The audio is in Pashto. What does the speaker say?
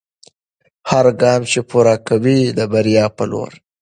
هر ګام چې پورته کوئ د بریا په لور دی.